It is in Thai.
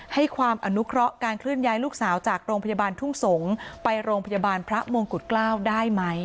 ให้ความอนุเคราะห์การเคลื่อนย้ายลูกสาวจากโรงพยาบาลทุ่งสงศ์ไปโรงพยาบาลพระมงกุฎเกล้าได้ไหม